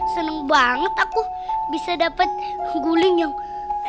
seneng banget aku bisa dapat goreng yang kuat